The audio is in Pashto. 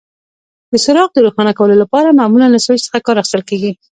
د څراغ د روښانه کولو لپاره معمولا له سویچ څخه کار اخیستل کېږي.